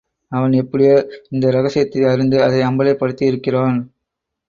அவன் எப்படியோ இந்த ரகசியத்தை அறிந்து அதை அம்பலப்படுத்தியிருக்கிறான்.